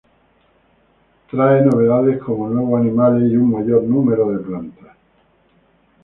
Trae novedades como nuevos animales y un mayor número de plantas.